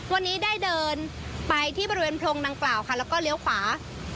วันนี้ได้เดินไปที่บริเวณโพรงดังกล่าวค่ะแล้วก็เลี้ยวขวา